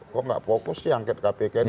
kok nggak fokus sih angket kpk ini